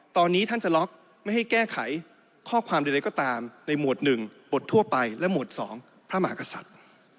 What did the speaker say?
ตอนนี้ท่านจะล็อกไม่ให้แก้ไขข้อความใดก็ตามในหมวด๑บททั่วไปและหมวด๒พระมหากษัตริย์